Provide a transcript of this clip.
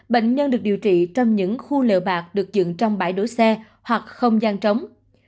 bệnh nhân được điều trị trong những khu liệu bạc được dựng trong bãi đỗ xe hoặc không gian trống